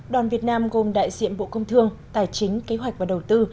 đoàn việt nam gồm đại diện bộ công thương tài chính kế hoạch và đầu tư